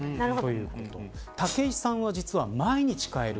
武井さんは、実は毎日変える。